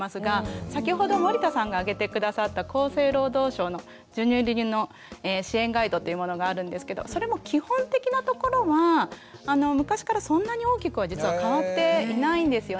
先ほど森田さんが挙げて下さった厚生労働省の「授乳・離乳の支援ガイド」というものがあるんですけどそれも基本的なところは昔からそんなに大きくは実は変わっていないんですよね。